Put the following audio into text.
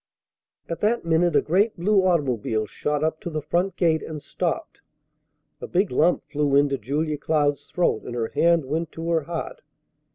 At that minute a great blue automobile shot up to the front gate, and stopped. A big lump flew into Julia Cloud's throat, and her hand went to her heart.